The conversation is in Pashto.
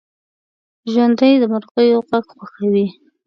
ژوندي د مرغیو غږ خوښوي